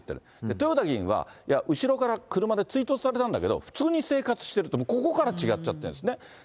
豊田議員は、いや、後ろから車で追突されたんだけど、普通に生活してると、ここから違っちゃっているんですね。